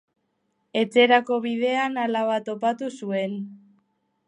Etxerako bidean alaba topatu zuen.